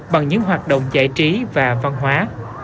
bằng những hoạt động giải trí và văn hóa